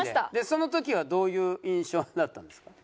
その時はどういう印象だったんですか？